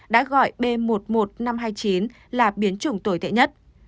đã gọi b một một năm trăm hai mươi chín là biến chủng tồi tệ nhất